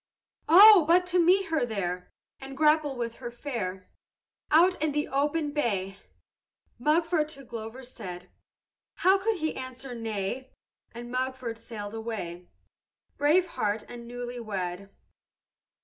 "'Oh, but to meet her there, And grapple with her fair, Out in the open bay!' Mugford to Glover said. How could he answer nay? And Mugford sailed away, Brave heart and newly wed.